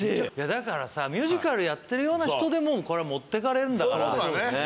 だからさミュージカルやってるような人でもこれ持ってかれるんだからそういうことだね